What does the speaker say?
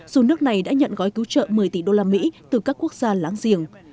dù nước này đã nhận gói cứu trợ một mươi tỷ đô la mỹ từ các quốc gia láng giềng